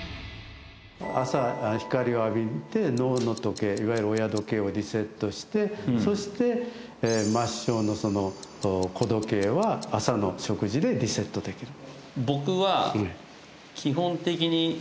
朝光を浴びて脳の時計いわゆる親時計をリセットしてそして末梢の子時計は朝の食事でリセットできる